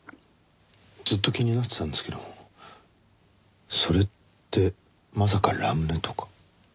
ずっと気になってたんですけどそれってまさかラムネとか？